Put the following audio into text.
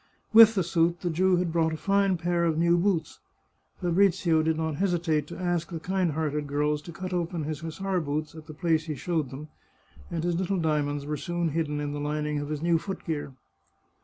With the suit the Jew had brought a fine pair of new boots. Fabrizio did not hesi tate to ask the kind hearted girls to cut open his hussar boots at the place he showed them, and his little diamonds were soon hidden in the lining of his new foot gear.